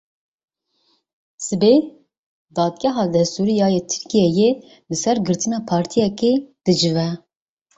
Sibê Dadgeha Destûrî ya Tirkiyeyê li ser girtina partiyekê dicive.